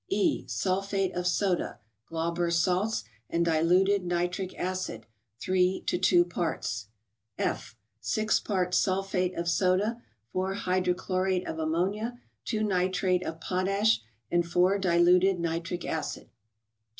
E. —Sulphate of soda (Glauber's salts) and diluted ni¬ tric acid, 3 to 2 parts. F. —Six parts sulphate of soda, 4 hydrochlorate of am¬ monia, 2 nitrate of potash, and 4 diluted nitric acid.